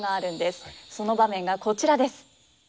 その場面がこちらです。